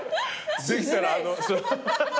できたらあの。